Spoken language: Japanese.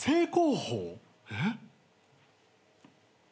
えっ！？